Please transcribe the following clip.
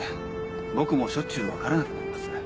僕もしょっちゅうわからなくなります。